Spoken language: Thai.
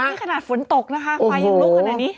นี่ขนาดฝนตกนะคะไฟยังลุกขนาดนี้